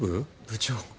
部長。